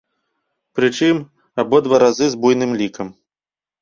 Прычым, абодва разы з буйным лікам.